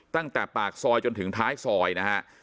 ตั้งแต่ปากซอยจนถึงท้ายซอยนะฮะ